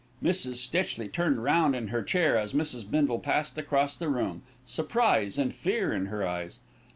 Mrs. Stitchley turned round in her chair as Mrs. Bindle passed across the room, surprise and fear in her eyes.